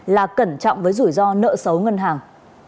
là cẩn trọng với rủi ro nợ xấu ngân hàng